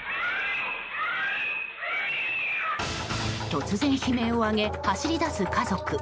突然悲鳴を上げ、走り出す家族。